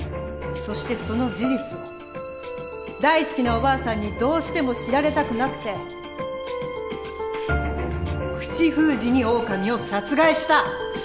そしてその事実を大好きなおばあさんにどうしても知られたくなくて口封じにオオカミを殺害した！